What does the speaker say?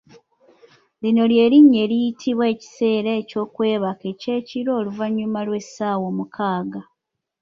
Lino ly'erinnya eriyitibwa ekiseera ky'okwebaka eky'ekiro oluvannyuma lw'essaawa omukaaga.